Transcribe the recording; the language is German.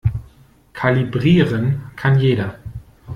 Kalibrieren kann jeder.